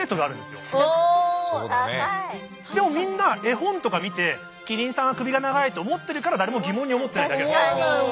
でもみんな絵本とか見てキリンさんは首が長いと思ってるから誰も疑問に思ってないだけなんです。